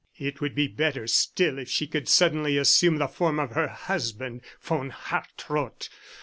... It would be better still if she could suddenly assume the form of her husband, von Hartrott.